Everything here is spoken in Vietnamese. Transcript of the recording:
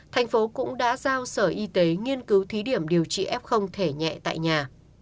thành phố cũng đã giao sở y tế nghiên cứu thí điểm điều trị f thể nhẹ tại nhà